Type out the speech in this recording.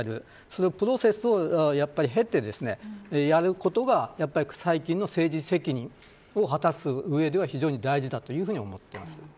そのプロセスを経てやることが最近の政治責任を果たすうえでは非常に大事だと思っています。